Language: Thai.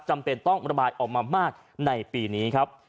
จำเป็นต้องระบายออกมามากในปีนี้ครับ